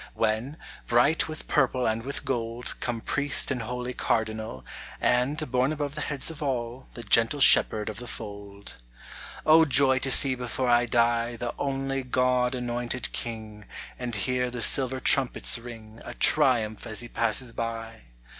When, bright with purple and with gold, Come priest and holy Cardinal, And borne above the heads of all The gentle Shepherd of the Fold. O joy to see before I die The only God anointed King, And hear the silver trumpets ring A triumph as he passes by